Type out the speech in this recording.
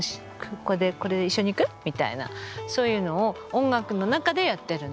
これで一緒にいく？みたいなそういうのを音楽の中でやってるんですね。